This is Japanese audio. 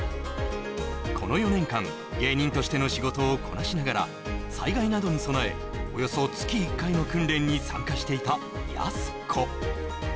この４年間芸人としての仕事をこなしながら災害などに備えおよそ月１回の訓練に参加していたやす子